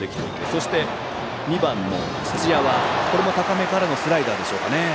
そして、２番の土屋はこれも高めからのスライダーでしょうか。